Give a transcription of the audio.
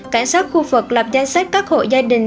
cảnh sát khu vực lập danh sách các hộ gia đình